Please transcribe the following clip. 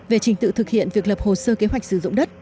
về trình tự thực hiện việc lập hồ sơ kế hoạch sử dụng đất